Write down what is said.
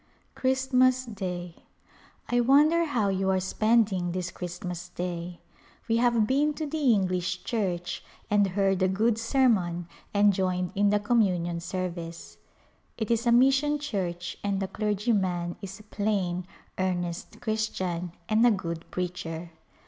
Christmas Day. I wonder how you are spending this Christmas Day ! We have been to the English church and heard a good sermon and joined in the communion service. It is a mission church and the clergyman is a plain, earnest Christian and a good preacher.